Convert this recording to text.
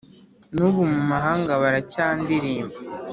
n'ubu mu mahanga baracyandilimba,